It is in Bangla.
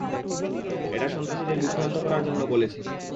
এটা সন্ত্রাসীদের বিভ্রান্ত করার জন্য বলেছে।